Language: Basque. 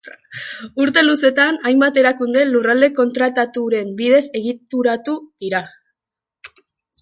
Urte luzetan, hainbat erakunde Lurralde Kontratuaren bidez egituratu dira.